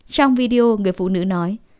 trong video người phụ nữ nói